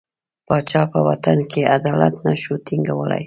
پاچا په وطن کې عدالت نه شو ټینګولای.